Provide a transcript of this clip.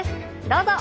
どうぞ。